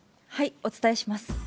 お伝えします。